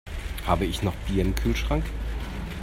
Habe ich noch Bier im Kühlschrank?